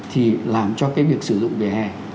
thì làm cho cái việc sử dụng vỉa hè